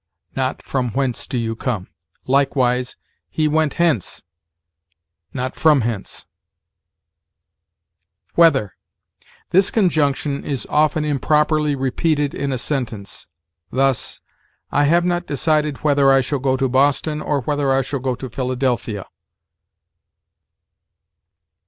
not "From whence do you come?" Likewise, "He went hence," not "from hence." WHETHER. This conjunction is often improperly repeated in a sentence; thus, "I have not decided whether I shall go to Boston or whether I shall go to Philadelphia."